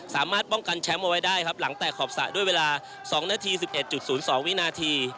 สามารถป้องกันแชมป์เอาไว้ได้ครับหลังแตกขอบสระด้วยเวลา๒นาที๑๑๐๒วินาที